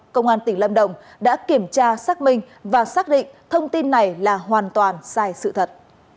công an tỉnh lâm đồng đã kiểm tra xác minh và xác định thông tin này là hoàn toàn sai sự thật